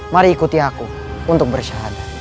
mari ikuti aku untuk bersyarat